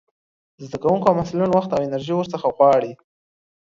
د زده کوونکو او محصلينو وخت او انرژي ورڅخه غواړي.